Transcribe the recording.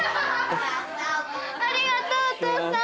ありがとうお父さん。